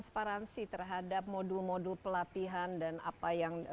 pemilihan atau transparansi terhadap modul modul pelatihan dan apa yang diperlukan